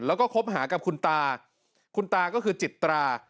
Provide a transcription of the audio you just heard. แล้วก็คบหากับคุณตาคุณตาก็คือจิตรา